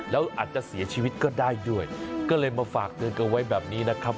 แล้วอาจจะเสียชีวิตก็ได้ด้วยก็เลยมาฝากเตือนกันไว้แบบนี้นะครับ